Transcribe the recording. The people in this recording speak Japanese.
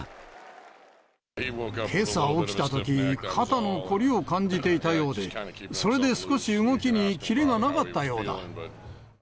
けさ起きたとき、肩の凝りを感じていたようで、それで少し動きにキレがなかったようだ。